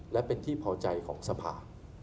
และเป็นที่เภาใจของสภาคฯ